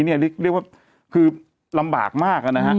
เรียกว่าคือลำบากมากนะฮะ